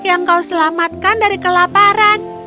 yang kau selamatkan dari kelaparan